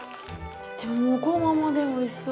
でももうこのままでおいしそう。